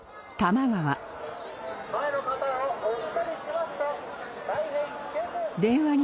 ・前の方を押したりしますと大変危険です！